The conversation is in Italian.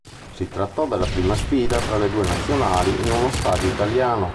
Si trattò della prima sfida tra le due nazionali in uno stadio italiano.